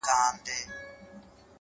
• خو خپه كېږې به نه ـ